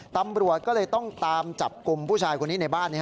ตำรวจก็เลยต้องตามจับกลุ่มผู้ชายคนนี้ในบ้าน